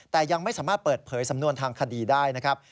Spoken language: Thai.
แต่ยังไม่สามารถเปิดเผยสำนวนทางคดีได้นะครับ